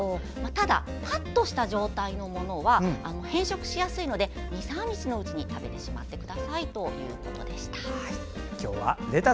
ただ、カットした状態のものは変色しやすいので２３日のうちに食べてしまってくださいということでした。